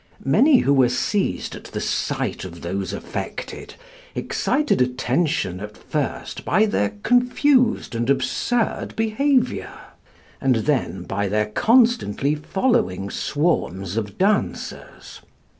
Many who were seized at the sight of those affected, excited attention at first by their confused and absurd behaviour, and then by their constantly following swarms of dancers.